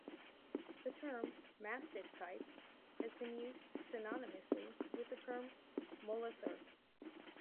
The term "mastiff type" has been used synonymously with the term "molosser".